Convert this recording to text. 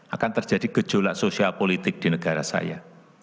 akan terjadi gejolak sosial politik di negara saya